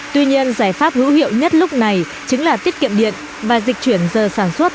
tuy nhiên giải pháp hữu hiệu nhất lúc này chính là tiết kiệm điện và dịch chuyển giờ sản xuất